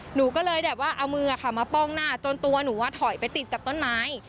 หนูก็เลยแบบว่าเอามือมาป้องหน้าจนตัวหนูถอยไปติดกับต้นไม้